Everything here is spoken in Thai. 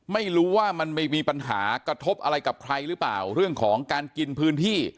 ไม่รู้ว่ามันไม่มีปัญหากระทบอะไรกับใครหรือเปล่าเรื่องของการกินพื้นที่